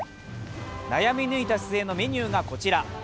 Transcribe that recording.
悩み抜いた末のメニューがこちら。